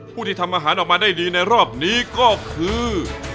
ที่ทำอาหารออกมาได้ดีในรอบนี้ก็คือ